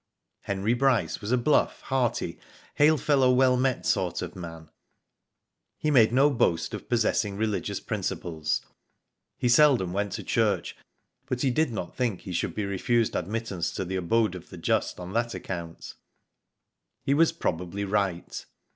Henry Bryce was a bluff, hearty, hail fellow well met sort of man. He made no boast o( Digitized byGoogk THE NEW MEMBER, 31 possessing religious principles. He seldom went to church, but he did not think he should be refused admittance to the abode of the just on that account. He was probably right.